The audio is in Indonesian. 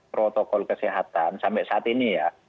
protokol kesehatan sampai saat ini ya